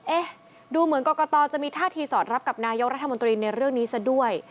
เอ๊ะดูเหมือนกรกตจะมีท่าทีสอดรับกับนายกรัฐมนตรีในเรื่องนี้ซะด้วย